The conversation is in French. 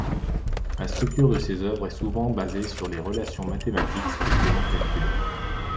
La structure de ses œuvres est souvent basée sous les relations mathématiques strictement calculés.